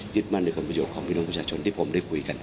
มั่นในผลประโยชนของพี่น้องประชาชนที่ผมได้คุยกัน